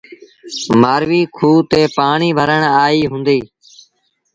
مآرويٚ کوه تي پآڻيٚ ڀرڻ آئيٚ هُݩديٚ۔